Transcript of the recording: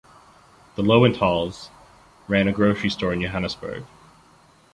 The Loewenthals ran a grocery store in Johannesburg.